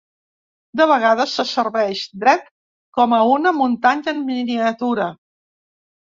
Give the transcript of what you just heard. De vegades, se serveix dret com a una muntanya en miniatura.